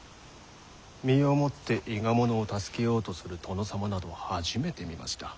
身をもって伊賀者を助けようとする殿様など初めて見ました。